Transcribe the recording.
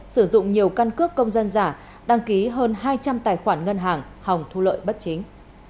sử dụng nhiều căn cước công dân giả đăng ký hơn hai trăm linh tài khoản ngân hàng hồng thu lợi bất chính